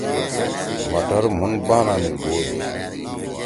مٹر مُھن بانا می بودی۔